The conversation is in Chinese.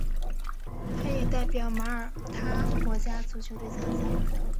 他也代表马耳他国家足球队参赛。